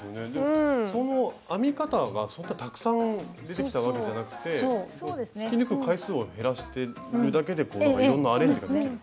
その編み方がたくさん出てきたわけじゃなくて引き抜く回数を減らしてるだけでいろんなアレンジができる。